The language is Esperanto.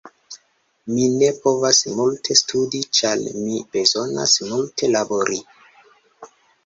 Mi ne povas multe studi ĉar mi bezonas multe labori.